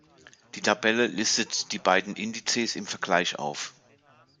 Die Tabelle listet die beiden Indizes im Vergleich auf.